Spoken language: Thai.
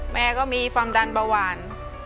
แม่ก็มีความดันเบาหวาน